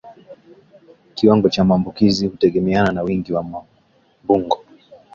Kiwango cha maambukizi hutegemeana na wingi wa mbungo